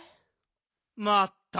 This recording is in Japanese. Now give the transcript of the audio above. まったく。